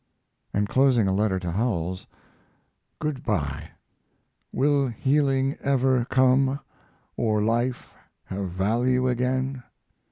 And closing a letter to Howells: Good by. Will healing ever come, or life have value again?